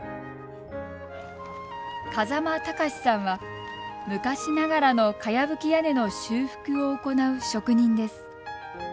風間崇さんは昔ながらの、かやぶき屋根の修復を行う職人です。